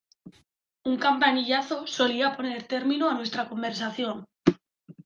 Un campanillazo solía poner término a nuestra conversación.